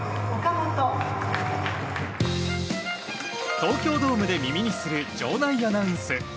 東京ドームで耳にする場内アナウンス。